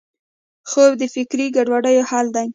خوب د فکري ګډوډۍ حل دی